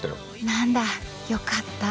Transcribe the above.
何だよかった。